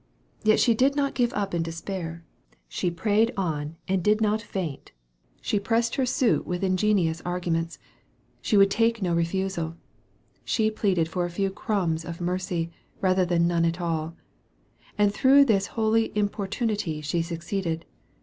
Yet she did not give up in despair. She prayed on, and did not faint. MARK, CHAP. VII. 147 She pressed her suit with ingenious arguments. Sha would take no refusal. She pleaded for a few "crumbs" of mercy, rather than none at all. And through this holy importunity she succeeded.